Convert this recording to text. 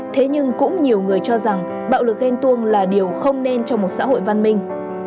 thế nhưng cũng nhiều người cho rằng bạo lực ghen tuông là điều không nên cho một xã hội văn minh